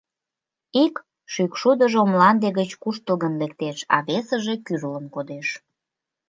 Ик шӱкшудыжо мланде гыч куштылгын лектеш, а весыже кӱрлын кодеш.